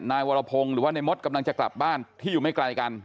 นายวรพงศ์หรือว่าในมดกำลังจะกลับบ้านที่อยู่ไม่ไกลกัน